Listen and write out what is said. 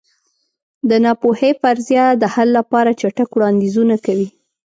د ناپوهۍ فرضیه د حل لپاره چټک وړاندیزونه کوي.